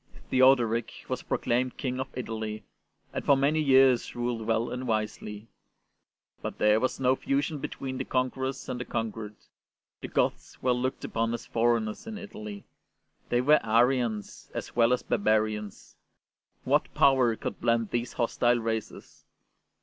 Theodoric was proclaimed King of Italy, and for many years ruled well and wisely; but there was no fusion between the conquerors and the conquered. The Goths were looked upon as foreigners in Italy ; they were Arians as well as barbarians. What power could blend these hostile races